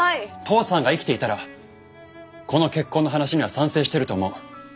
父さんが生きていたらこの結婚の話には賛成してると思う。